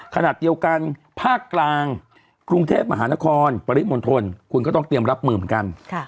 ขณะเดียวกันภาคกลางกรุงเทพมหานครปริมณฑลคุณก็ต้องเตรียมรับมือเหมือนกัน